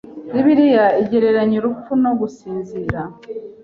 Bibiliya igereranya urupfu no gusinzira.